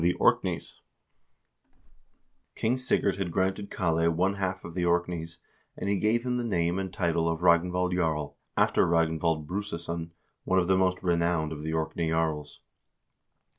THE PERIOD OF CIVIL WARS 341 had granted Kale one half of the Orkneys, and he gave him the name and title of Ragnvald Jarl, after Ragnvald Bruseson, one of the most renowned of the Orkney jarls.